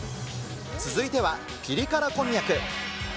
続いては、ピリ辛こんにゃく。